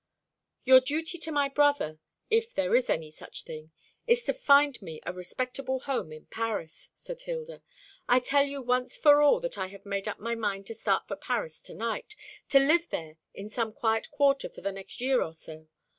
"Your duty to my brother if there is any such thing is to find me a respectable home in Paris," said Hilda. "I tell you once for all that I have made up my mind to start for Paris to night to live there in some quiet quarter for the next year or so.